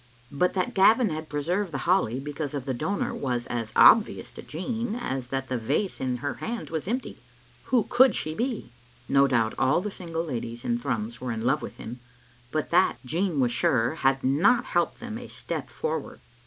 But that Gavin had preserved the holly because of the donor was as obvious to Jean as that the vase in her hand was empty. Who could she be? No doubt all the single ladies in Thrums were in love with him, but that, Jean was sure, had not helped them a step forward.